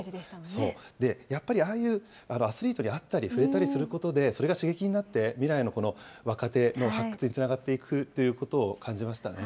そう、やっぱりああいうアスリートに会ったり触れたりすることで、それが刺激になって、未来の若手の発掘につながっていくということを感じましたね。